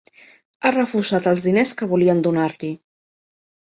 Ha refusat els diners que volien donar-li.